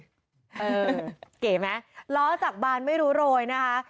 เก๋ไหมล้อจากบานไม่รู้โรยนะคะ